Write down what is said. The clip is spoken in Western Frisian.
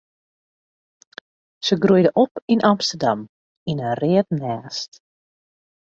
Se groeide op yn Amsterdam yn in read nêst.